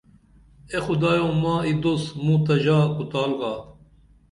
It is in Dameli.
اے خدایو ماں ای دوس موں تہ ژا کُتال گا